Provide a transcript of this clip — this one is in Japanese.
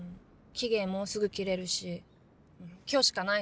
期限もうすぐ切れるし今日しかないの。